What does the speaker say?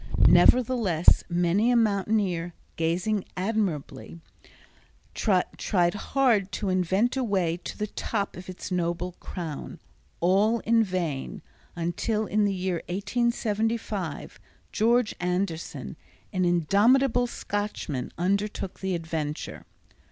Nevertheless many a mountaineer, gazing admiringly, tried hard to invent a way to the top of its noble crown—all in vain, until in the year 1875, George Anderson, an indomitable Scotchman, undertook the adventure.